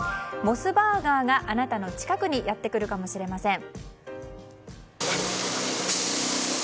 モスバーガーがあなたの近くにやってくるかもしれません。